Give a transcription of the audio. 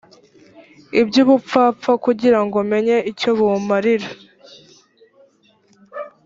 iby ubupfapfa kugira ngo menye icyo bumarira